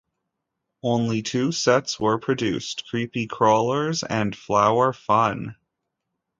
Only two sets were produced - Creepy Crawlers and Flower Fun.